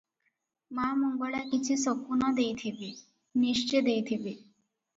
ମା ମଙ୍ଗଳା କିଛି ଶକୁନ ଦେଇଥିବେ, ନିଶ୍ଚେ ଦେଇଥିବେ ।